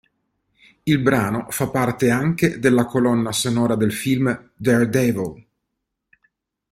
Il brano fa parte anche della colonna sonora del film "Daredevil".